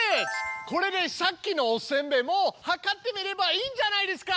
これでさっきのおせんべいもはかってみればいいんじゃないですか！